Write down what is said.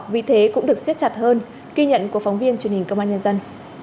vì thế cũng được siết chặt hơn ghi nhận của phóng viên truyền hình công an nhân dân